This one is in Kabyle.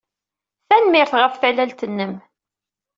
Tanemmirt ɣef tallalt-nnem.